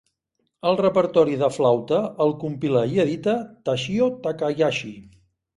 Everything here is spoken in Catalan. El repertori de flauta el compila i edita Toshio Takahashi.